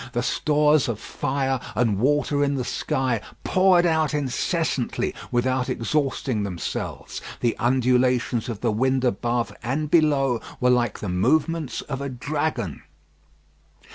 The stores of fire and water in the sky poured out incessantly without exhausting themselves. The undulations of the wind above and below were like the movements of a dragon.